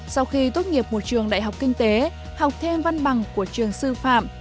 sau khi tốt nghiệp một trường đại học kinh tế học thêm văn bằng của trường sư phạm